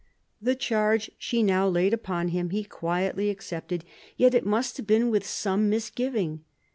The charge she now laid upon him he quietly accepted ; yet it must have been with some misgiving.